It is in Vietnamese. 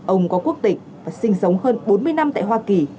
ông có quốc tịch và sinh sống hơn bốn mươi năm tại hoa kỳ